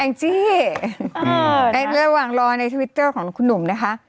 จี้ในระหว่างรอในทวิตเตอร์ของคุณหนุ่มนะคะ